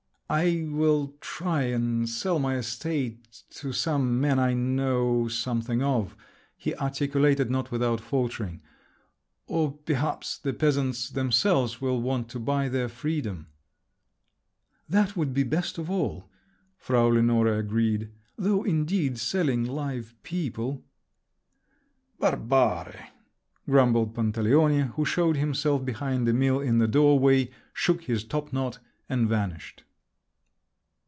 "I will try and sell my estate to some man I know something of," he articulated, not without faltering, "or perhaps the peasants themselves will want to buy their freedom." "That would be best of all," Frau Lenore agreed. "Though indeed selling live people …" "Barbari!" grumbled Pantaleone, who showed himself behind Emil in the doorway, shook his topknot, and vanished.